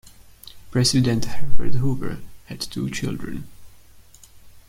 President Herbert Hoover had two children.